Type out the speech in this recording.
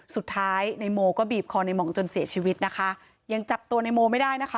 สุดท้ายในโมก็บีบคอในห่องจนเสียชีวิตนะคะยังจับตัวในโมไม่ได้นะคะ